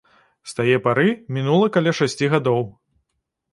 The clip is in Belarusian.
З тае пары мінула каля шасці гадоў.